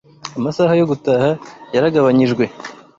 Amasaha yo gutaha yaragabanyijwe